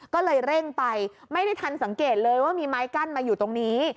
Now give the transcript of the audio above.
ก็เลยเร่งไปไม่ได้ทันสังเกตเลยว่ามีไม้กั้นมาอยู่ตรงนี้